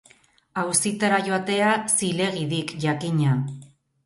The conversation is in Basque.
Auzitara joatea zilegi dik, jakina.